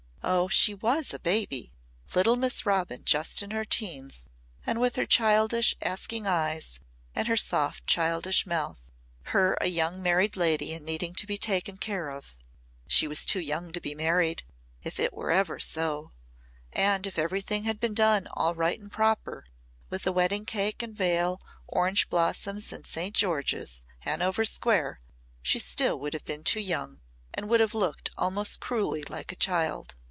Oh, she was a baby! Little Miss Robin just in her teens and with her childish asking eyes and her soft childish mouth! Her a young married lady and needing to be taken care of! She was too young to be married if it was ever so! And if everything had been done all right and proper with wedding cake and veil, orange blossoms and St. George's, Hanover Square, she still would have been too young and would have looked almost cruelly like a child.